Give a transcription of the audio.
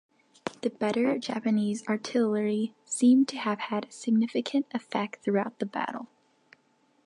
The better Japanese artillery seem to have had a significant effect throughout the battle.